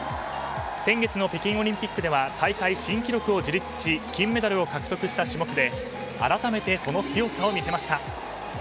先月の北京オリンピックでは大会新記録を樹立し金メダルを獲得した種目で改めてその強さを見せました。